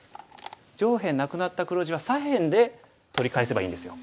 上辺なくなった黒地は左辺で取り返せばいいんですよ。